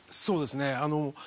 そうですね。